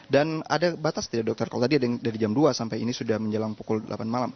ada batas tidak dokter kalau tadi dari jam dua sampai ini sudah menjelang pukul delapan malam